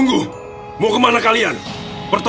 malah mereka sudah lewatin para penjajah